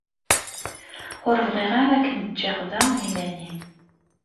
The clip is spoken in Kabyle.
Ur bɣiɣ ara ad kem-ǧǧeɣ da iman-im.